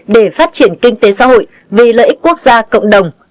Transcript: để phát triển kinh tế xã hội vì lợi ích quốc gia cộng đồng